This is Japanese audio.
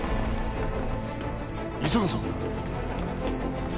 急ぐぞ。